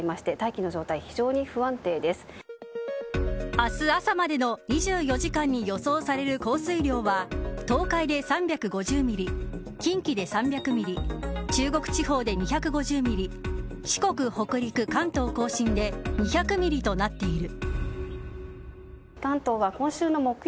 明日朝までの２４時間に予想される雨量は東海で３５０ミリ近畿で３００ミリ中国地方で２５０ミリ四国、北陸、関東・甲信で２００ミリと予想されている。